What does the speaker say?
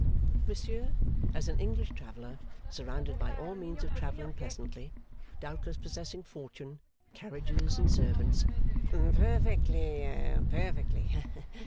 Monsieur, as an English traveller, surrounded by all means of travelling pleasantly; doubtless possessing fortune, carriages, and servants 'Perfectly, perfectly.